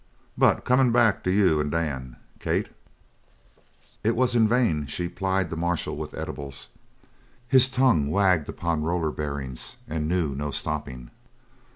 But comin' back to you and Dan, Kate " It was in vain she plied the marshal with edibles. His tongue wagged upon roller bearings and knew no stopping.